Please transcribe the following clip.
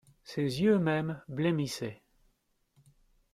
Ses yeux mêmes blêmissaient.